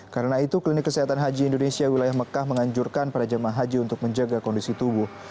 karena itu klinik kesehatan haji indonesia wilayah mekah menganjurkan para jemaah haji untuk menjaga kondisi tubuh